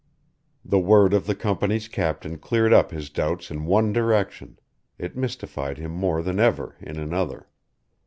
The word of the company's captain cleared up his doubts in one direction; it mystified him more than ever in another.